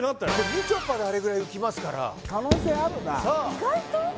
みちょぱであれぐらい浮きますから可能性あるな意外と？